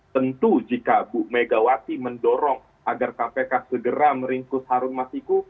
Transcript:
tentu jika bu megawati mendorong agar kpk segera meringkus harun masiku